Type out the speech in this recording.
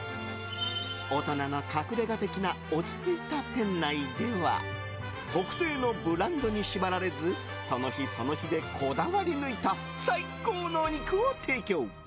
大人の隠れ家的な落ち着いた店内では特定のブランドに縛られずその日その日でこだわり抜いた最高のお肉を提供。